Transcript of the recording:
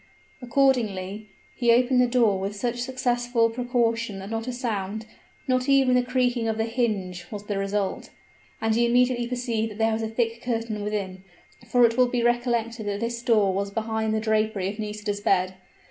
Accordingly, he opened the door with such successful precaution that not a sound not even the creaking of the hinge was the result; and he immediately perceived that there was a thick curtain within; for it will be recollected that this door was behind the drapery of Nisida's bed.